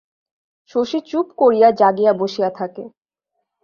শশী চুপ করিয়া জাগিয়া বসিয়া থাকে।